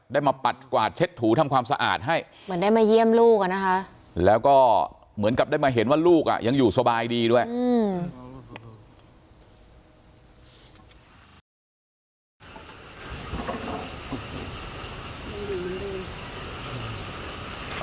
ได้มาปัดกวาดเช็ดถูทำความสะอาดให้แล้วก็เหมือนกับได้มาเห็นว่าลูกอยู่สบายดีด้วยอืม